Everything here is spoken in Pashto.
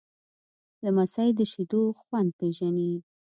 لمسی د شیدو خوند پیژني.